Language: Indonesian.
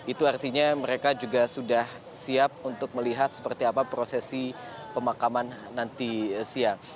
itu artinya mereka juga sudah siap untuk melihat seperti apa prosesi pemakaman nanti siang